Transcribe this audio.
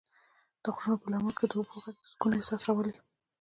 د غرونو پر لمن کې د اوبو غږ د سکون احساس راولي.